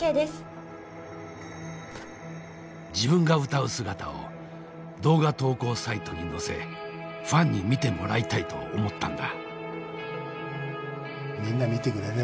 自分が歌う姿を動画投稿サイトに載せファンに見てもらいたいと思ったんだ。